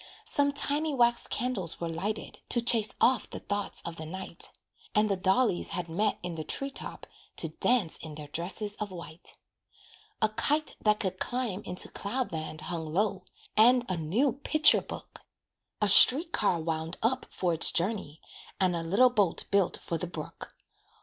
Some tiny wax candles were lighted, To chase off the thoughts of the night; And the dollies had met in the tree top To dance in their dresses of white. A kite that could climb into cloud land Hung low, and a new picture book; A street car "wound up" for its journey, And a little boat built for the brook.